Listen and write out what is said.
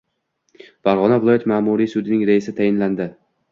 Farg‘ona viloyat ma’muriy sudining raisi tayinlandi